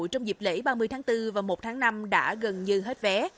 trong dịp lễ ba mươi tháng bốn và một tháng năm đã gần như hết vé